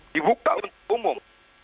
dibuka untuk umum